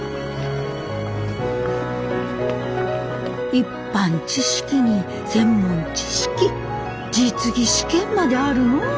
一般知識に専門知識実技試験まであるの？